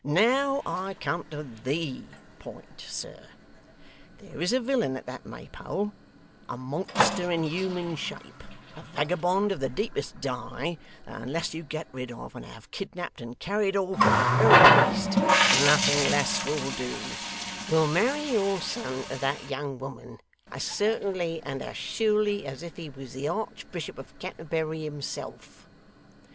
'Now I come to THE point. Sir, there is a villain at that Maypole, a monster in human shape, a vagabond of the deepest dye, that unless you get rid of and have kidnapped and carried off at the very least nothing less will do will marry your son to that young woman, as certainly and as surely as if he was the Archbishop of Canterbury himself.